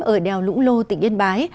ở đèo lũng lô tỉnh yên bái